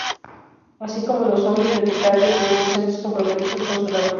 Así como los son los bibliotecarios y los docentes comprometidos con su labor.